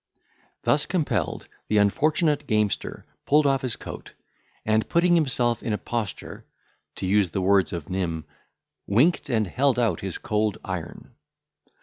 Thus compelled, the unfortunate gamester pulled off his coat, and, putting himself in a posture, to use the words of Nym, "winked, and held out his cold iron."